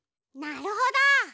なるほど。